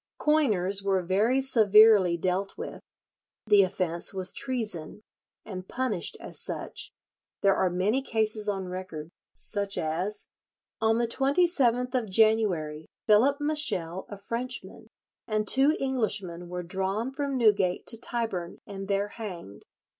Coiners were very severely dealt with. The offence was treason, and punished as such. There are many cases on record, such as—"On the 27th of January Phillip Meshel, a Frenchman, and two Englishmen were drawn from Newgate to Tyburn, and there hanged.